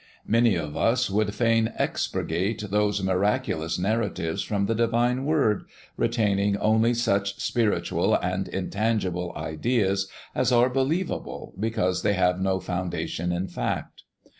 Many of us would fain expurgate those miraculous narratives from the divine word, retaining only such spiritual and intangible ideas as are believable because they have no foundation in fact.